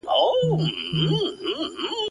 جذبات چي ټوله قرباني ستا لمرين مخ ته کړله;